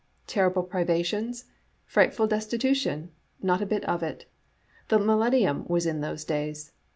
Terrible privations? Frightful destitution? Not a bit of it The Millennium was in those days.